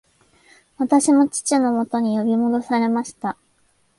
私も父のもとに呼び戻されました